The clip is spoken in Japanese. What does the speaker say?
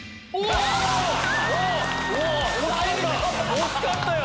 惜しかったよ！